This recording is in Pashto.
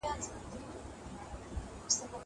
زه به موسيقي اورېدلې وي.